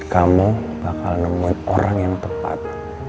kamu bakal nemuin orang yang tepat